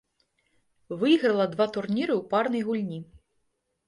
Выйграла два турніры ў парнай гульні.